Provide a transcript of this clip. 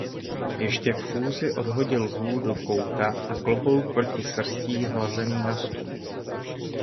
Ještě v chůzi odhodil hůl do kouta a klobouk proti srstí hlazený na stůl.